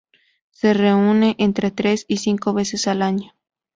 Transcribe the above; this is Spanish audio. Se reúne entre tres y cinco veces al año.